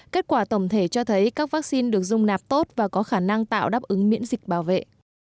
kết quả tổng thể cho thấy các vaccine được dùng nạp tốt và có khả năng tạo đáp ứng miễn dịch bảo vệ